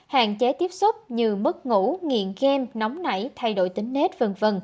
hạn chế tiếp xúc như mất ngủ nghiện game nóng nảy thay đổi tính nết v v